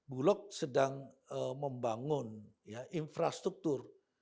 bulog sedang membangun infrastruktur